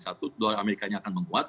satu dolar amerikanya akan menguat